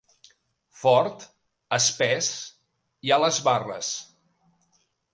Fort, espès i a les barres.